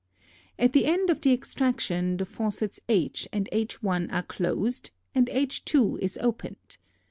At the end of the extraction the faucets H and H_ are closed and H_, is opened.